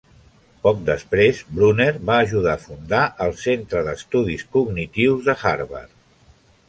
Poc després, Bruner va ajudar a fundar el Centre d'Estudis Cognitius de Harvard.